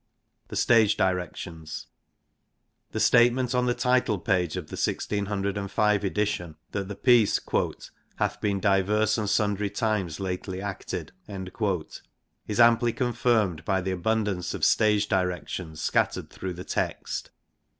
The Stage directions. The statement on the title page of the 1605 edition that the piece 'hath been divers and sundry times lately acted ' is amply confirmed by the abund ance of stage directions scattered through the text.